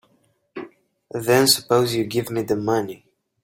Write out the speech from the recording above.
Then suppose you give me the money.